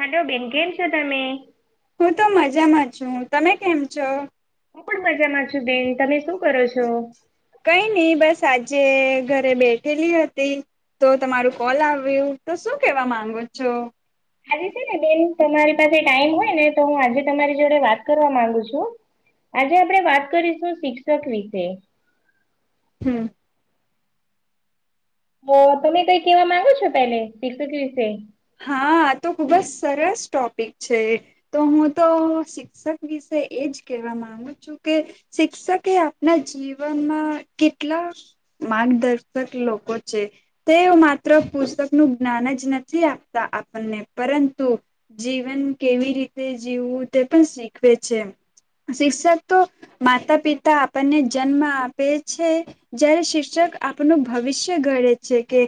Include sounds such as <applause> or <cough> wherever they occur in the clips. હાલો બેન કેમ છો તમે હું તો મજામાં છું તમે કેમ છો હું પણ મજા માં છું બેન તમે શું કરો છો કઈ નઈ બસ આજે ઘરે બેઠેલી હતી તો તમારું કોલ આવ્યું તો શું કેવા માંગો છો આજે છે ને બેન તમારી પાસે ટાઈમ હોય ને તો હું આજે તમારી જોડે વાત કરવા માંગુ છું આજે આપડણે વાત કરીશું શિક્ષક વિશે હમ ઓ તમે કઈ કેવા માંગો છો પે શિક્ષક વિશે હા આ તો ખુબ જ સરસ ટોપિક છે તો હું તો શિક્ષક વિશે એજ કેહેવા ગુ કે શિક્ષકે આપના જીવનમાં કેટલા માર્ગદર્શક લોકો છે તે માત્ર પુસ્તક નું જ્ઞાન જ નથી આપ આપણને પરંતુ જીવન કેવી રીતે જીવવું તે પણ શીખવે છે શિક્ષક તો માતા પિતા આપણને જન્મ આપે છે જયારે શિક્ષક આપણ ભવિષ્ય ઘડે છે કે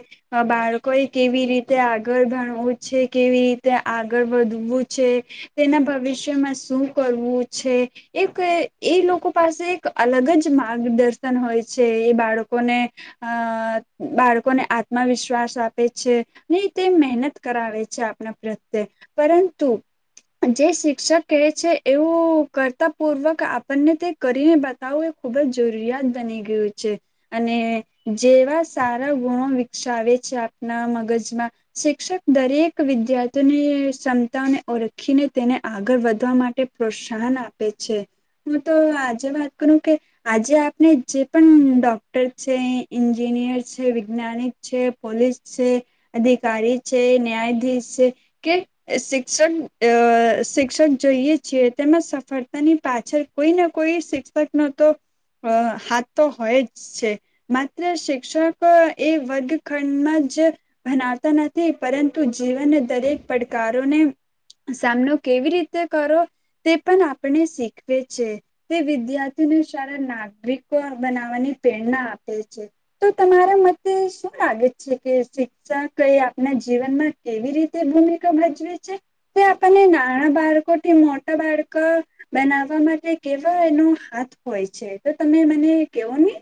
બાળકો એ કેવી રીતે આગળ ભણ એ છે કેવી રીતે આગળ વધવું છે તેના ભવિષ્યમાં શું કરવું છે એક એ લોકો પાસે એક અલગ જ માર્ગદર્શન હોય છે એ બાળકોને અ બાળકોને આત્મવિશ્વાસ આપે છે ને તે મહેનત કરાવે છે આપણા પ્રત્યે પરંતુ જે શિક્ષક કહે છે એવું કરતા પૂર્વક આપણને તે કરીને બતાવવું એ ખુબ જ જરૂરિયાત બની ગયું છે અને જેવા સારા ગુણો વિકસાવે છે આપના મગજમાં શિક્ષક દરેક વિદ્યાર્થીઓની ક્ષમતાને ઓળખીને તેને આગળ વધવા માટે પ્રોત્સાહન આપે છે હું તો આજે વાત કરું કે આજે આપને જે પણ ડોક્ટર છે એન્જિનિયર છે વિજ્ઞાનિક છે પોલીસ છે અધિકારી છે ન્યાયાધીશ છે કે શિક્ષક શિક્ષક જોઈએ છીએ તેમાં સફળતાની પાછળ કોઈ નાને કોઈ શિક્ષક નો તો હાથ તો હોય જ છે માત્ર શિક્ષક એ વર્ગખંડમાં જ ભનાવતા નથી પરંતુ જીવનના દરેક પડકારોને સામનો કેવી રીતે કરો તે પણ આપણે શીખવે છે તે વિદ્યાર્થીને સારા નાગરિકો બનાવવાની પ્રેરણા આપે છે તો તમારા મતે શું લાગે છે કે શિક્ષા કઈ એના જીવનમાં કેવી રીતે ભૂમિકા ભજવે છે તે આપને એ નાણાં બાળકો મોટા બાળક બનાવવા માટે કેવા એનો હાથ હોય છે તો તમે મને કેવો નહી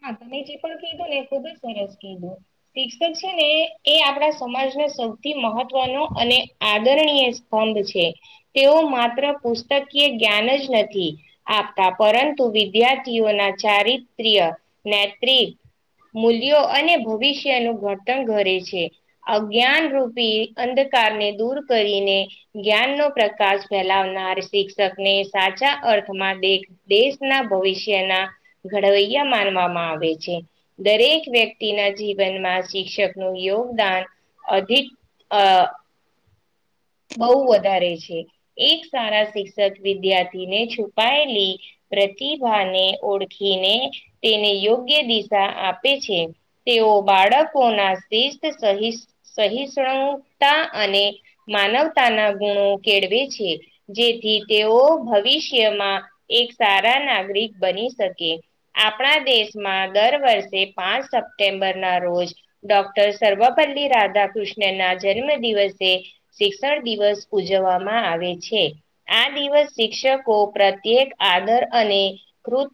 હા તમે જે પણ કીધું ને એ ખુબ જ સરસ કીધું શિક્ષક છે ને એ આપણા સમાજના સૌથી મહત્વ મહવ ન અને આદરણીય સ્તંભ છે તેઓ માત્ર પુસ્તકીય જ્ઞાન જ નથી આપતા પરંતુ વિદ્યાર્થીઓના ચારિત્ર્ય નેત મૂલ્યો અને ભવિષ્યનું ઘર્તણ કરે છે અજ્ઞાન રૂપી અંધકારને દૂર કરીને જ્ઞાન નો પ્રકાશ ફેલાવનાર શિક્ષક ને સાચા અર્થમાં દેખ દેશના ભવિષ્યના ઘડવૈયા માનવામાં આવે છે દરેક વ્યક્તિના જીવનમાં શિક્ષક નું યોગદાન અધિક અ બહુ વધારે છે એક સારા શિક્ષક વિદ્યાર્થીને છુપાયેલી પ્રતિભાને ઓળખીને તેને યોગ્ય દિશા આપે છે તેઓ બાળકોના શિસ્ત સ સહિષ્ણુતા અને માનવતાના ગુણો કેળવે છે જેથી તેઓ ભવિષ્યમાં એક સારા નાગરિક બની શકે આપણા દેશમાં દર વર્ષે પાંચ સપ્ટેમ્બર ના રોજ ડોક્ટર સર્વપલ્લી રાધાકૃષ્ણના જન્મદિવસે શિક્ષણ દિવસ ઉજવવામાં આવે છે આ દિવસ શિક્ષકો પ્રત્યેક આદર અને કૃત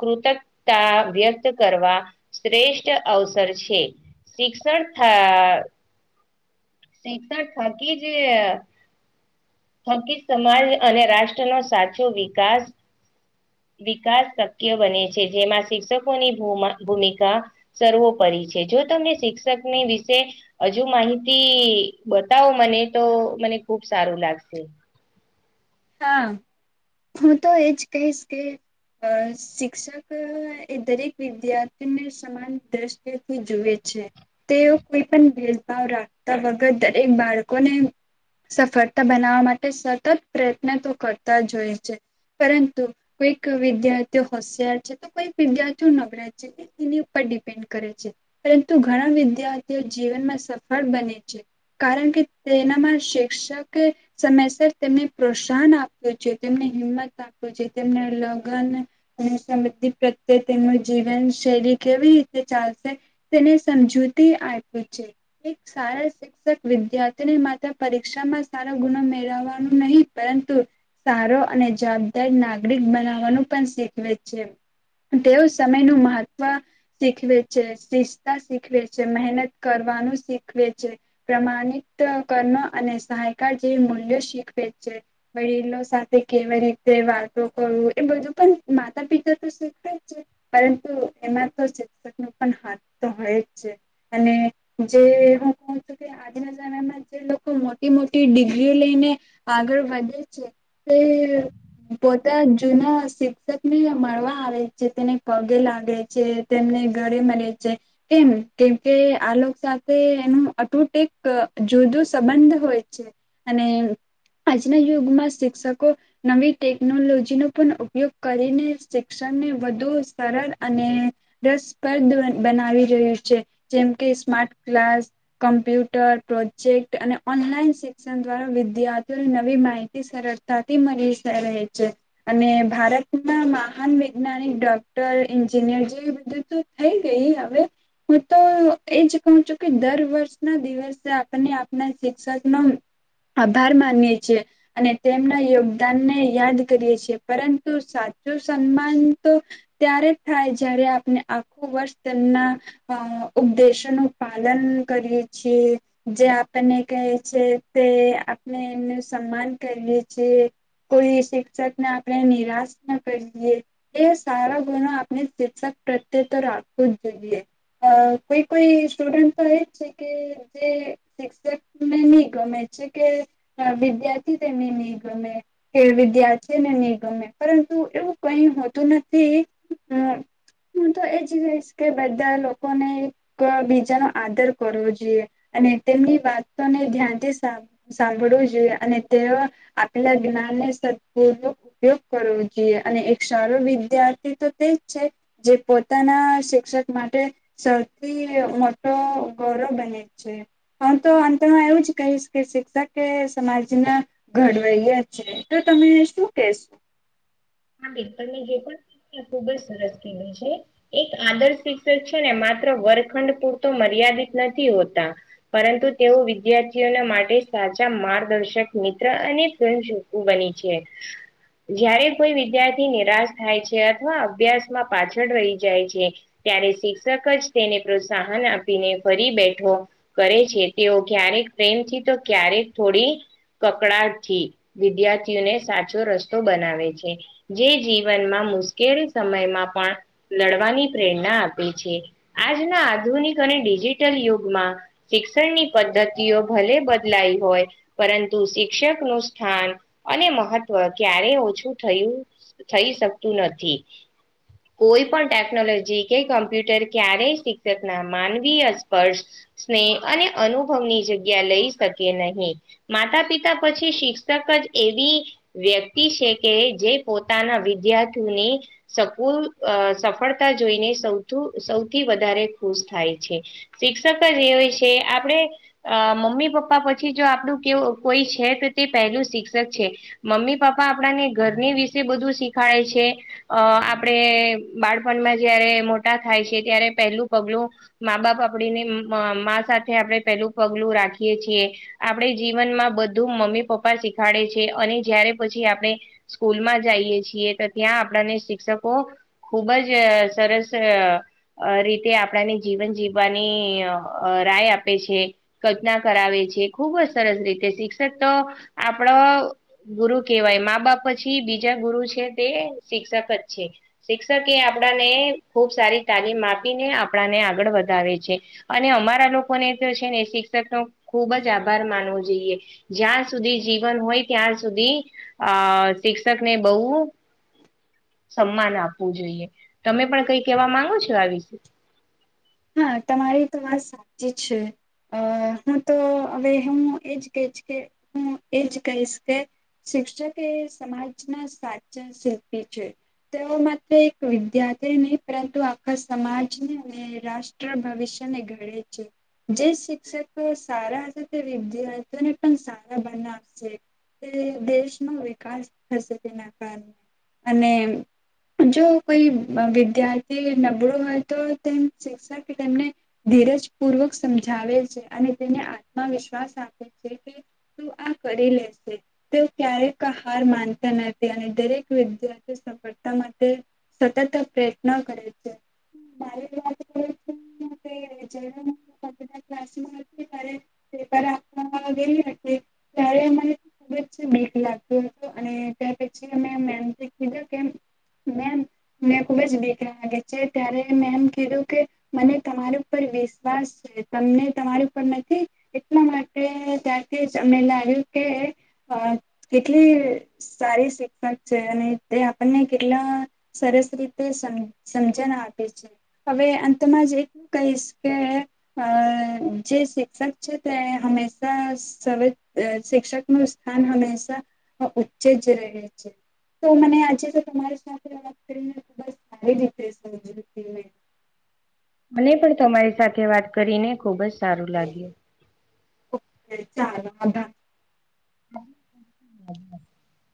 કૃતજ્તા વ્યક્ત કરવા શ્રેષ્ઠ અવસર છે શિક્ષણ શષાર થકી જે હકી સમાજ અને રાષ્ટ્ર નો સાચો વિકાસ વિકાસ શક્ય બને છે જેમાં શિક્ષકોની ભૂમિકા સર્વોપરી છે જો તમને શિક્ષકની વિશે હજુ માહિતી બતાવો મને તો મને ખુબ સારું લાગશે હા હું તો એજ કહીશ કે અ શિક્ષક એ દરેક વિદ્યાર્થીને સન દ્રષ્ટિ થી જુએ છે તેઓ કોઈ પણ ભેદભાવ રાખતા વગર દરેક બાળકોને સફળતા બનાવવા માટે સતત પ્રયત્ન તો કરતા જ હોય છે પરંતુ કોઈક વિદ્યાર્થીઓ હોશિયાર છે તો કોઈક વિદ્યાર્થીઓ નગરજ છે એની ઉપર ડિપેન્ડ કરે છે પરંતુ ઘણા વિદ્યાર્થીઓ જીવનમાં સફળ બને છે કારણ કે તેનામાં શિક્ષકે સમયસર તેમની પ્રોત્સાહન આપ્યું છે તેમને હિંમત આપ્યું છે તેમને લગ્ન અને પ્રત્યે તેમનું જીવન શૈલી કેવી રીતે ચાલશે તેને સમજૂતી આપે છે એક સારા શિક્ષક વિદ્યાર્થીની માત્ર પરીક્ષા માં સારો ગુનો મેળવવાનો નહીિ પરંતુ સારો અને જવાબદાર નાગરિક બનાવવાનું પણ શીખવે છે તેઓ સમયનું મહત્વ શીખવે છે શિતા શીખવે છે મહેનત કરવાનું શીખવે છે પ્રમાણિત કર્ણ અને સહાયકાર જેવી મૂલ્યો શીખવે છે વડીલો સાથે કેવી રીતે વાતો કરું એ બધું પણ માતા પિતા તો શીખાયે છે પરંતુ એમાં તો શિક્ષક ન પણ હાથ તો હોય જ છે અને જે હું ફોન કરતી તી આજના સમયમાં જે લોકો મોટી મોટી ડિગ્રીઓ લઈને આગળ વધે છે તે પોતા જુના શિક્ષક ને મળવા આવે છે તેને પગે લાગે છે તેમને ઘરે મને છે કેમ કેમકે આ લોકો સાથે એનું અટુટ એક જુદું સંબંધ હોય છે અને આજના યુગમાં શિક્ષકો નવી ટેકનોલોજીનો પણ ઉપયોગ કરીને શિક્ષણને વધુ સરળ અને રસપદ બનાવી રહ્યું છે જેમ કે સ્માર્ટ ક્લાસ કમ્પ્યુટર પ્રોજેક્ટ અને ઓનલાઈન શિક્ષણ દ્વારા વિધાર્થી નવી માહિતી સરળતાથી મળી રહે છે. અને ભારતમાં મહાન વૈજ્ઞાનિક ડોક્ટર એન્જિનિયર જે બધું તો થઈ ગઈ હવે. હું તો એજ કહું છું કે દર વર્ષ ના દિવસે આપને આપના શિક્ષક નો આભાર માનય છે. અને તેમના યોગદાનને યાદ કરીએ છીએ પરંતુ સાચું સન્માન તો ત્યારે થાય જય્યારે આપને આખું વર્ષ તેમના અ ઉપદેશો નું પાલન કરીએ છીએ. જે આપણને કહે છે તે આપણે એમનું સન્માન કરીએ છીએ. કોઈ શિક્ષકને આપણે નિરાશ ન કરીએ. એ સારા ગુનો આપણે શિક્ષક પ્રત્યે તો રાખવો જ જોઈએ. અ કોઈ કોઈ સ્ટુડન્ટ તો એ જ છે કે જે શિક્ષકને નહી ગમે છે કે વિદ્યાર્થી તેમની નહી ગમે. ખેલ વિધાર્થી છે ને નઈ ગમે પરંતુ એવું કઈ હોતું નથી હમ્મ. હું તો એ જ રહીશ કે બધા લોકોને એક બીજાનો આદર કરવો જોઈએ. અને તેમની વાતોને ધ્યાનથી સા સાંભળવું જોઈએ અને તેઓ આપેલા જ્ઞાનને સપૂ ઉપયોગ કરવો જોઈએ અને એક સારો વિદ્યાર્થી તો તેજ છે. જે પોતાના શિક્ષક માટે સૌથી મોટો ગૌરવ બને છે. હું તો અંતમાં એવું જ કહીશ કે શિક્ષક કે સમાજના ઘડવેયા છે તો તમે શું કેશો? હા બિલકલ મે તો જે પણ કીધું ખુબ જ સરસ કીધુ છે. એક આદર શિક્ષક છે ને માત્ર વરખંડ પૂરતો મર્યાદિત નથી હોતા. પરંતુ તેઓ વિદ્યાર્થીઓના માટે સાચા માર્ગદર્શક મિત્ર અને <unintelligible> બની છે જયારે કોઈ વિદ્યાર્થી નિરાશ થાય છે અથવા અભ્યાસમાં પાછળ રહી જાય છે. ત્યારે શિક્ષક જ તેને પ્રોત્સાહન આપીને ફરી બેઠો. કરે છે તેઓ ક્યારેક પ્રેમથી તો ક્યારેક થોડી કકડાથી વિદ્યાર્થીઓને સાચો રસ્તો બનાવે છે. જે જીવનમાં મુશ્કેલી સમયમાં પણ લડવાની પ્રેરણા આપે છે આજના આધુનિક અને ડિજિટલ યુગમાં શિક્ષણની પદ્ધતિઓ ભલે બદલાઈ હોય પરંતુ શિક્ષક નું સ્થાન અને મહત્વ ક્યારેય ઓછું થયું થઈ શકતું નથી. કોઈ પણ ટેકનોલોજી કે કમ્પ્યુટર ક્યારેય શિક્ષક ના માનવીય સ્પર્શ સ્નેહ અને અનુભવ ની જગ્યા લઈ શકે નહીં. માતા પિતા પછી શિક્ષક જ એવી વ્યક્તિ છે કે જે પોતાના વિદ્યાર્થીઓની સપૂર સફળતા જોઈને સૌ સૌથી વધારે ખુશ થાય છે. શિક્ષક જે એ હોય છે આપડે. અ મમ્મી પપ્પા પછી જો આપણું કે કોઈ છે તો તે પહેલું શિક્ષક છે. મમ્મી પપા આપણને ઘરની વિશે બધું શીખાડે છે. અ આપડણે બાળપણમાં જયારે મોટા થાય છે ત્યારે પહેલું પગલું મા બાપ આપડીને સાથે આપણેે પેલું પગલું રાખીએ છીએ. આપણે જીવનમાં બધું મમ્મી પપ્પા શીખાડે છે અને જયારે પછી આપણે સ્કૂલ માં જાય. ખુબ જ સરસ અ રીતે આપણાને જીવન જીવવાની રાય આપે છે કલ્પના કરાવે છે ખુબ જ સરસ રીતે શિક્ષક તો આપડો ગુરુ કેવાય મા બાપ પછી બીજા ગુરુ છે તે શિક્ષક જ છે. શિક્ષકે એ આપણાને ખુબ સારી તાલીમ આપીને આપણાને આગળ વધાવે છે અને અમારા લોકોને તો છે ને શિક્ષક નો ખુબ જ આભાર માનવો જોઈએ. જ્યાં સુધી જીવન હોય ત્યાં સુધી આ શિક્ષકને બહુ સમાન આપવું જોઈએ તમે પણ કઈ કેવા માંગો છો આ વિશે? હા તમારી તો વાત સાચી છે. અ હું તો હવે હું એજ કંઈજ કે હું એજ કહીશ કે શિક્ષક એ સમાજના સાચા શિલ્પી છે. તેઓ માત્ર એક વિદ્યાર્થી નહી પરંતુ આખા સમાજને અને રાષ્ટ્ર ભવિષ્ય ને ઘડે છે. જે શિક્ષકો સારા હશે તે વિદ્યાર્થીને પણ સારા બનાવશે તે દેશનો વિકાસ થશે તેના કારણે અને જો કોઈ વિદ્યાર્થી નબળું હોય તો તેમ શ કે તેમને ધીરજ પૂર્વક સમજાવે છે અને તેને આત્મવિશ્વાસ આપે છે કે. તું આ કરી લેશે. તેઓ ક્યારેક હાર માનતા નથી અને દરેક વિદ્યાર્થીઓ સફળતા માટે સતત પ્રયત્ન કરે છે. <unintelligible> <unintelligible> ત્યારે મને ખુબ જ મીક લાગતું હતું અને તાર પછી અમે મે કે મેને ખુબ જ ભીગ લાગે છે ત્યારે મેં એમ કધું કે મને તમારા પર વિશ્વાસ તમને તમારી ઉપ નથી એટલા માટે ત્યારથી જ અમને લ આવ્યું કે અ કેટલી સારી શિક્ષક છે અને તે આપણને કેટલા સરસ રીતે સમ સમજણ આપે છે હવે અંતમાં જ એટલું કહીશ કે. અ જે શિક્ષક છે તે હંમેશા સવે શિક્ષક નું સ્થાન હંમેશા ઉચ્ચે જ રહે છે તો મને આજે જો તમારી સાથે વાત કરીને તો બસ સારી રીતે મને પણ તમારી સાથે વાત કરીને ખુબ જ સારું લાગ્યું. ઓકે ચાલો બ <inaudible>